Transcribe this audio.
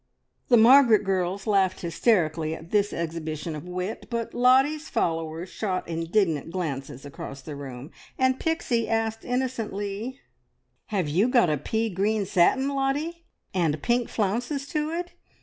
The Margaret girls laughed hysterically at this exhibition of wit, but Lottie's followers shot indignant glances across the room, and Pixie asked innocently "Have you got a pea green satin, Lottie? And pink flounces to it?